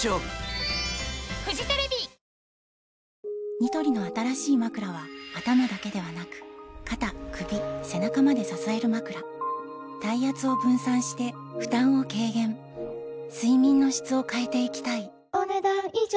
ニトリの新しいまくらは頭だけではなく肩・首・背中まで支えるまくら体圧を分散して負担を軽減睡眠の質を変えていきたいお、ねだん以上。